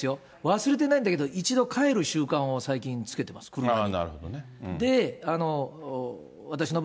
忘れてないんだけど、一度、帰る習慣を最近つけています、車の中に。